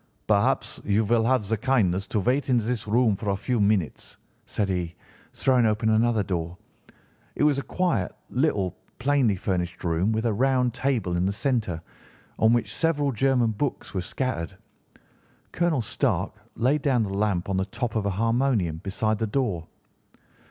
"'Perhaps you will have the kindness to wait in this room for a few minutes,' said he, throwing open another door. It was a quiet, little, plainly furnished room, with a round table in the centre, on which several German books were scattered. Colonel Stark laid down the lamp on the top of a harmonium beside the door.